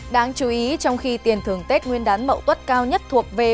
đáng chú ý trong khi tiền thưởng tết nguyên đán mậu tuất cao nhất thuộc về